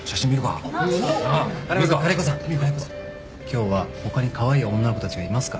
今日は他にカワイイ女の子たちがいますから。